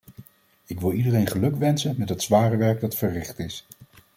Ik wil iedereen gelukwensen met het zware werk dat verricht is.